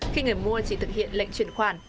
khi người mua chỉ thực hiện lệnh truyền khoản